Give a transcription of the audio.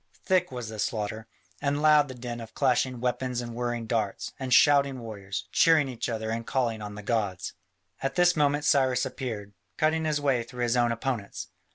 Thick was the slaughter, and loud the din of clashing weapons and whirring darts, and shouting warriors, cheering each other and calling on the gods. At this moment Cyrus appeared, cutting his way through his own opponents.